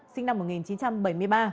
sinh năm một nghìn chín trăm bảy mươi ba